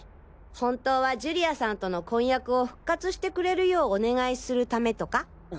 本当は寿里亜さんとの婚約を復活してくれるようお願いするためとか？